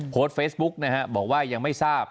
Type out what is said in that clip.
โพสต์เฟซบุ๊กนะฮะบอกว่ายังไม่ทราบ